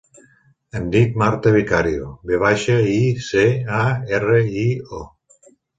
Em dic Marta Vicario: ve baixa, i, ce, a, erra, i, o.